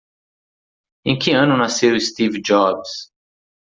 Em que ano nasceu Steve Jobs?